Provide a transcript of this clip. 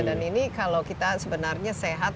dan ini kalau kita sebenarnya sehat